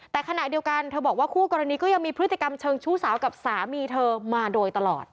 แต่ขณะเดียวกันเธอบอกว่าคู่กรณีก็ยังมีพฤติกรรมเชิงชู้สาวกับสามีเธอมาโดยตลอด